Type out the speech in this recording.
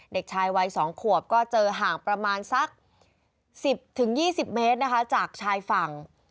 เด็กชายวัย๒ขวบก็เจอห่างประมาณสัก๑๐๒๐เมตรนะคะจากชายฝั่ง